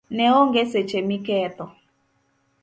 neonge seche miketho